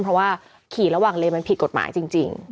เพราะว่าขี่ระหว่างเลนมันผิดกฎหมายจริง